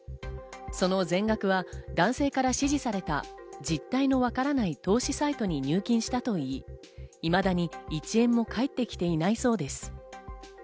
その全額は男性から指示された実態のわからない投資サイトに入金したといい、いまだに１円も返ってきていないそうです。